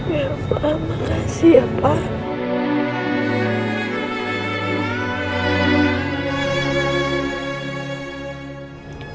ya pak makasih ya pak